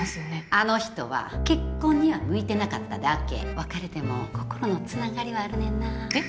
あの人は結婚には向いてなかっただけ別れても心の繋がりはあるねんなえっ？